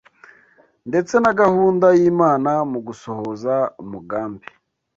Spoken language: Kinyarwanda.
ndetse na gahunda y’Imana mu gusohoza umugambi